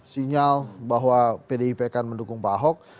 sinyal bahwa pdip akan mendukung pak ahok